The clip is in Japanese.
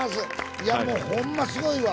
いやもうほんますごいわ。